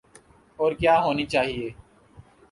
اورکیا ہونی چاہیے۔